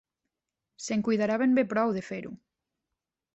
Se'n cuidarà ben bé prou, de fer-ho!